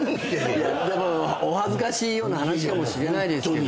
でもお恥ずかしいような話かもしれないですけど。